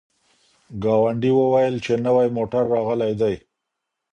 ګاونډي وویل چي نوی موټر راغلی دی.